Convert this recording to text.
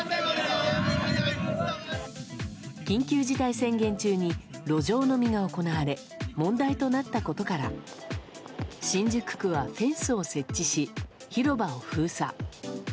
緊急事態宣言中に路上飲みが行われ問題となったことから新宿区はフェンスを設置し広場を封鎖。